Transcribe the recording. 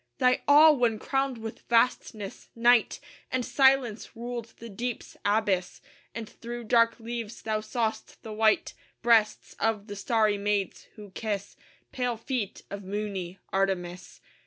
Thy awe! when crowned with vastness, Night And Silence ruled the deep's abyss; And through dark leaves thou saw'st the white Breasts of the starry maids who kiss Pale feet of moony Artemis.